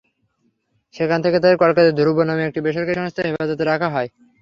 সেখান থেকে তাদের কলকাতার ধ্রুব নামে একটি বেসরকারি সংস্থার হেফাজতে রাখা হয়।